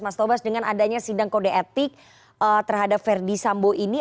mas tobas dengan adanya sidang kode etik terhadap verdi sambo ini